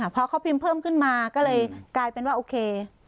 พอเขาพิมพ์เพิ่มขึ้นมาก็เลยกลายเป็นว่าโอเค